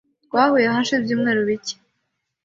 Twahuye hashize ibyumweru bike .